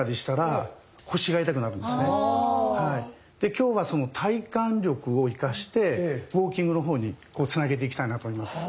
今日はその体幹力を生かしてウォーキングの方につなげていきたいなと思います。